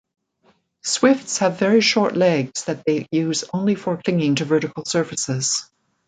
Swifts have very short legs that they use only for clinging to vertical surfaces.